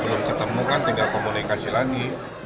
belum ketemu kan tinggal komunikasi lagi